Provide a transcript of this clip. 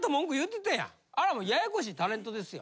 あれもうややこしいタレントですよ。